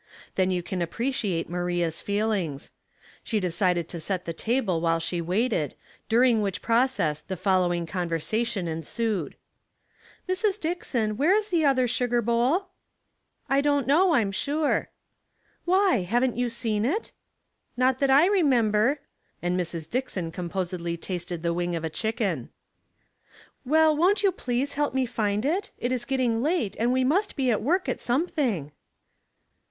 Then you can appreciate Maria's feel ings. She decided to set the table while she waited, during which process the following con versation ensued :— Sentiment and Dust, 169 " Mrs. Dickson, where is the other sugar bowl?" " I don't know, I'm sure." " Why, haven't you seen it ?"" Not that I remember ;" and Mrs. Dickioii composedly tasted the wing of a chicken. '^ Well, won't you please help me find it ? It is getting late, and we must be at work at some thing."